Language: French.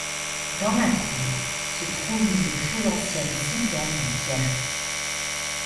Dans la cour se trouve une très ancienne citerne en pierres.